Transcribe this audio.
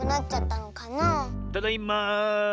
ただいま。